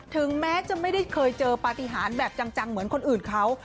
ถึงแม้จะไม่ได้เคยเจอปฏิหารแบบจังเหมือนคนอื่นเขา